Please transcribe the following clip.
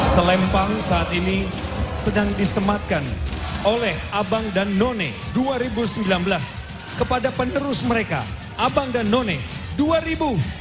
selempang saat ini sedang disematkan oleh abang dan noni dua ribu sembilan belas kepada penerus mereka abang dan noni